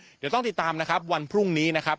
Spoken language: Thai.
เดี๋ยวต้องติดตามนะครับวันพรุ่งนี้นะครับ